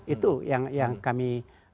itu yang kami